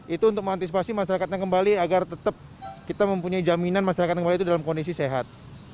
itu untuk mengantisipasi masyarakatnya kembali agar tetap kita mempunyai jaminan masyarakat kembali itu dalam kondisi sehat